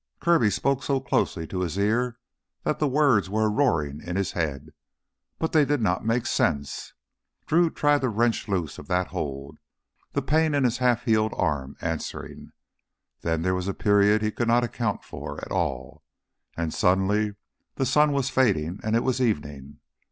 Kirby spoke so closely to his ear that the words were a roaring in his head. But they did not make sense. Drew tried to wrench loose of that hold, the pain in his half healed arm answering. Then there was a period he could not account for at all, and suddenly the sun was fading and it was evening.